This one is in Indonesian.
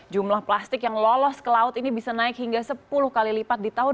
jumlah plastik yang lolos ke laut ini bisa naik hingga sepuluh kali lipat di tahun dua ribu dua